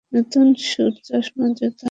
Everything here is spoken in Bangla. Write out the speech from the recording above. নতুন স্যুট, চশমা, জুতা।